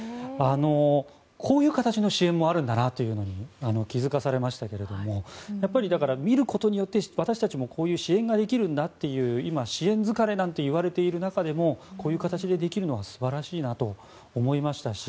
こういう形の支援もあるんだなと気付かされましたがだから見ることによって私たちもこういう支援ができるんだっていう今、支援疲れなんて言われている中でもこういう形でできるのは素晴らしいなと思いましたし